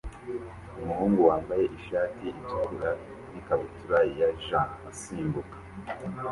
Umuhungu wambaye ishati itukura n'ikabutura ya jean asimbuka